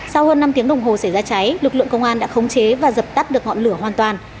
sau hơn năm tiếng đồng hồ xảy ra cháy lực lượng công an đã khống chế và dập tắt được ngọn lửa hoàn toàn